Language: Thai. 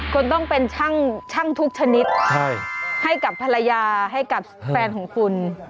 คุณต้องเป็นช่างทุกชนิดให้กับภรรยาให้กับแฟนของคุณ